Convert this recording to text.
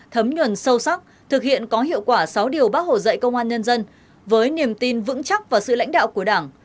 thấm nhuận sâu sắc thực hiện có hiệu quả sáu điều bác hồ dạy công an nhân dân với niềm tin vững chắc và sự lãnh đạo của đảng